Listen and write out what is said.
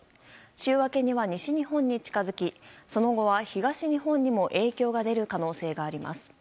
週明けには西日本に近づきその後は東日本にも影響が出る可能性があります。